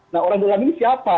nah orang dalam ini siapa